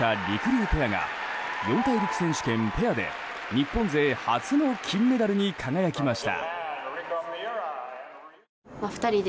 うペアが四大陸選手権ペアで日本勢初の金メダルに輝きました。